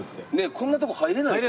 こんなとこ入れないでしょ